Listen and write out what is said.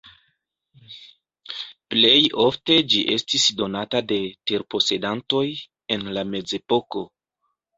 Plej ofte ĝi estis donata de terposedantoj en la Mezepoko.